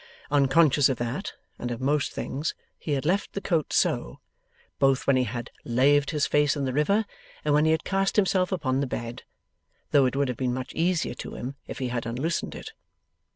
Unconscious of that, and of most things, he had left the coat so, both when he had laved his face in the river, and when he had cast himself upon the bed; though it would have been much easier to him if he had unloosened it.